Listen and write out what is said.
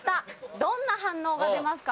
どんな反応が出ますか？」。